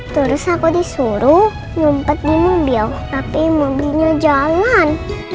terus aku disuruh nyumpet di mobil tapi mobilnya jalan